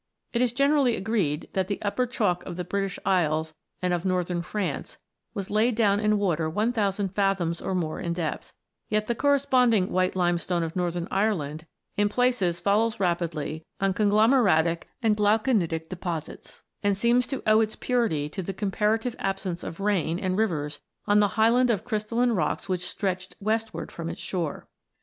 It is generally agreed that the Upper Chalk of the British Isles and of northern France was laid down in water one thousand fathoms or more in depth; yet the corresponding white limestone of northern Ireland in places follows rapidly on conglomeratic and glauconitic deposits, and seems to owe its purity to the comparative absence of rain and rivers on the highland of crystal line rocks which stretched westward from its shore.